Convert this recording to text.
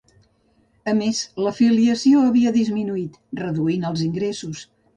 A més, la filiació havia disminuït, reduint els ingressos